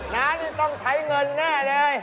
น้านี่ต้องใช้เงินแน่เลย